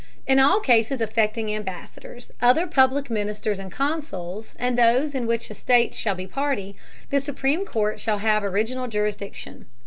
In all Cases affecting Ambassadors, other public Ministers and Consuls, and those in which a State shall be Party, the supreme Court shall have original Jurisdiction.